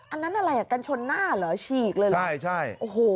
อันนั้นอะไรกันชนหน้าเหรอฉีกเลยเหรอโอ้โหใช่